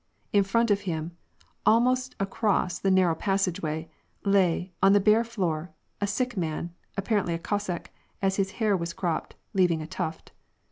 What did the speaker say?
In front of him, almost across the narrow passageway, lay, on the bare floor, a sick man, apparently a Cossack, as his hair was cropped, leaving a tuft.